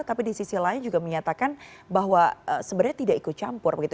tapi di sisi lain juga menyatakan bahwa sebenarnya tidak ikut campur begitu